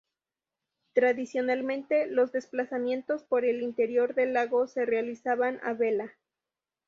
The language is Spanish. Tradicionalmente, los desplazamientos por el interior del lago se realizaban a vela.